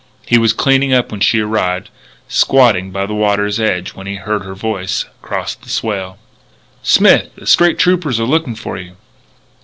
He was cleaning up when she arrived, squatting by the water's edge when he heard her voice across the swale: "Smith! The State Troopers are looking for you!"